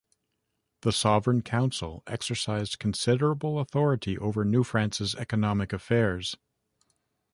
The Sovereign Council exercised considerable authority over New France's economic affairs.